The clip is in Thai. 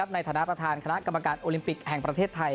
ในฐานะประธานคณะกรรมการโอลิมปิกแห่งประเทศไทย